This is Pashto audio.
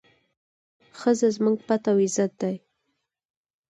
ښځه زموږ پت او عزت دی.